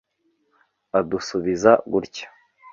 adusubiza gutya